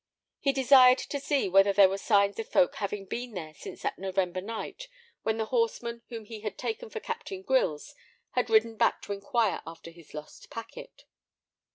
He desired to see whether there were signs of folk having been there since that November night when the horseman whom he had taken for Captain Grylls had ridden back to inquire after his lost packet.